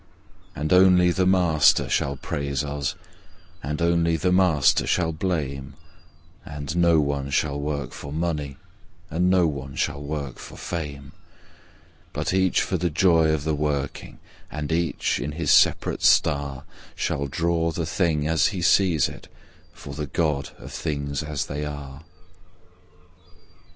And only The Master shall praise us, and only The Master shall blame; Andd no one shall work for money, and no one shall work for fame, But each for the joy of the working, and each, in his separate star, Shall draw the Thing as he sees It for the God of Things as They are!